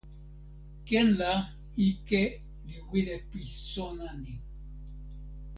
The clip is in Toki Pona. ken la ike li wile pi sona ni.